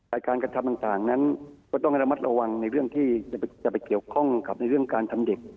การกระทำต่างนั้นก็ต้องให้ระมัดระวังในเรื่องที่จะไปเกี่ยวข้องกับในเรื่องการทำเด็ก